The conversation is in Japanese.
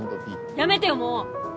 やめてよもう！